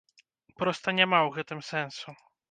Проста няма ў гэтым сэнсу.